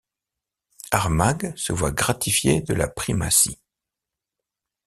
Armagh se voit gratifié de la Primatie.